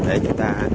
để chúng ta